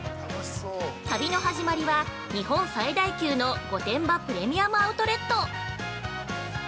旅の始まりは日本最大級の御殿場プレミアム・アウトレット！